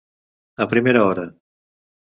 A primera hora.